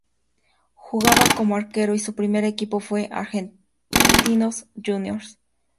Jugaba como arquero y su primer equipo fue Argentinos Juniors.